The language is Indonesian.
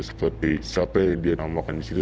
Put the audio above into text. seperti siapa yang dia namakan disitu